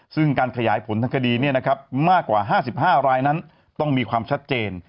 ซึ่งการขยายผลทางคดีมากกว่า๕๕รายนั้นต้องมีความชัดเจน